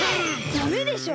ダメでしょ。